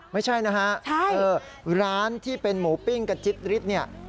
ค่ะใช่ใช่ไม่ใช่นะฮะร้านที่เป็นหมูปิ้งกระจิ๊ดนี่